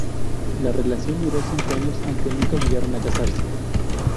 La relación duró cinco años aunque nunca llegaron a casarse.